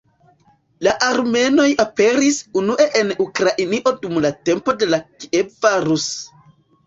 La armenoj aperis unue en Ukrainio dum la tempo de la Kieva Rus.